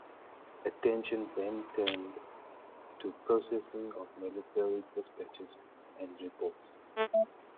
Attention then turned to processing of military dispatches and reports.